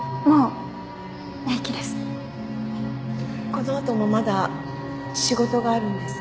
この後もまだ仕事があるんですか？